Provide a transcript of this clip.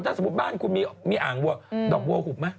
ถ้าสมมุติบ้านคุณมีอ่างวัวดอกบัวหุบไหม